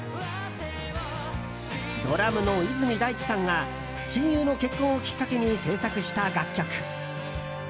ドラムの泉大智さんが親友の結婚をきっかけに制作した楽曲。